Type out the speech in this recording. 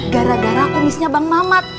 gara gara aku miss nya bang mamat